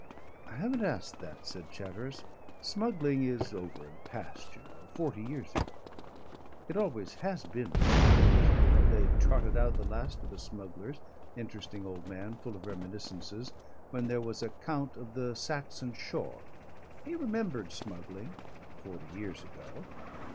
"I haven't asked that," said Chatteris. "Smuggling is over and past, you know. Forty years ago. It always has been forty years ago. They trotted out the last of the smugglers, interesting old man, full of reminiscences, when there was a count of the Saxon Shore. He remembered smuggling forty years ago.